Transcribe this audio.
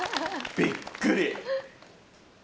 びっくり。